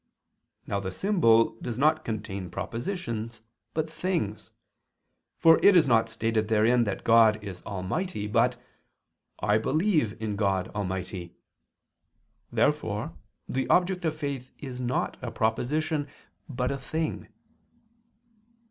Now the symbol does not contain propositions, but things: for it is not stated therein that God is almighty, but: "I believe in God ... almighty." Therefore the object of faith is not a proposition but a thing.